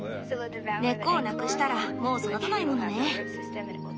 根っこをなくしたらもう育たないものね。